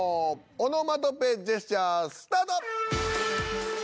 オノマトペジェスチャースタート。